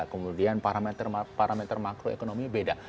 kemudian parameter makro ekonomi beda